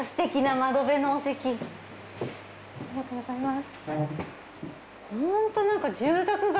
ありがとうございます。